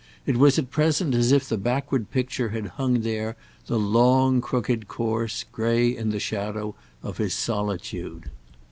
It was at present as if the backward picture had hung there, the long crooked course, grey in the shadow of his solitude.